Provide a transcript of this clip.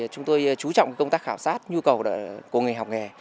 chúng tôi chú trọng công tác khảo sát nhu cầu của người học nghề